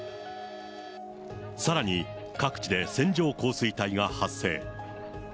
さらに各地で線状降水帯が発生。